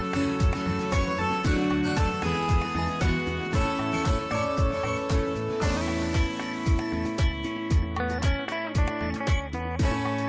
สวัสดีครับสวัสดีครับ